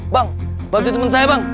bang bantu temen saya bang